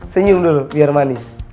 senyum dulu biar manis